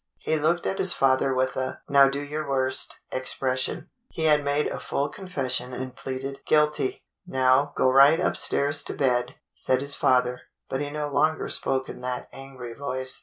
He looked at his father with a "now do your worst" expression. He had made a full confession and pleaded "Guilty." "Now, go right upstairs to bed," said his father, but he no longer spoke in that angry voice.